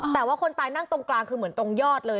แต่ว่าคนตายนั่งตรงกลางคือเหมือนตรงยอดเลย